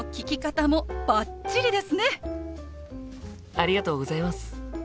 ありがとうございます！